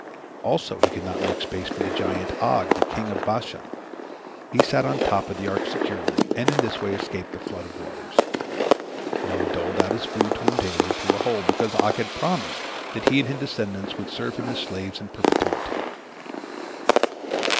Also, he could not make space for the giant Og, the king of Bashan. He sat on top of the ark securely, and in this way escaped the flood of waters. Noah doled out his food to him daily, through a hole, because Og had promised that he and his descendants would serve him as slaves in perpetuity.